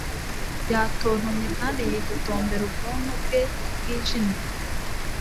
Yatontomye kandi yitotombera ubwonko bwe bwijimye